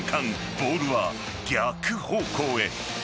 ボールは逆方向へ。